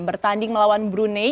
bertanding melawan brunei